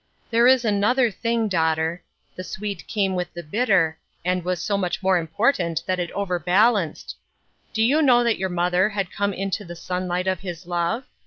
There is another thing, daughter — the sweet came with the bitter, and was so much more important that it over balanced. Did you know that your mother had come into the sunlight of His love